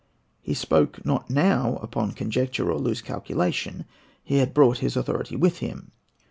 He spoke not now upon conjecture, or loose calculation, he had brought his authority with him.